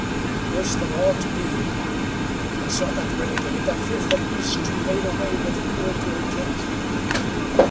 Worse than all to me, I saw that renegade, that fearful beast who made way with poor dear Kate!"